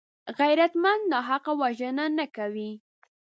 غیرتمند ناحقه وژنه نه کوي